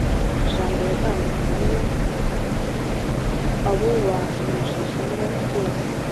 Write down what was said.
jambo yatanze ubuhamya abubanyujijemo bwose